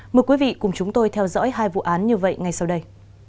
mời quý vị cùng chúng tôi theo dõi hai vụ án như vậy ngay sau đây